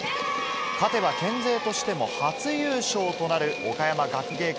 勝てば県勢としても初優勝となる岡山学芸館